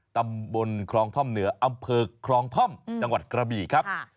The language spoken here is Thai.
ตำบลคลองท่อมเหนืออำเภอคลองท่อมจังหวัดกระบี่ครับ